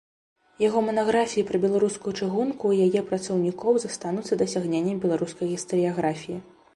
Яго манаграфіі пра беларускую чыгунку і яе працаўнікоў застануцца дасягненнем беларускай гістарыяграфіі.